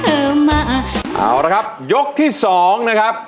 เอาละครับยกที่สองนะครับ